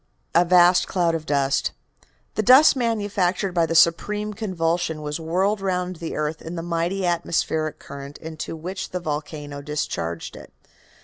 A VAST CLOUD Of DUST "The dust manufactured by the supreme convulsion was whirled round the earth in the mighty atmospheric current into which the volcano discharged it.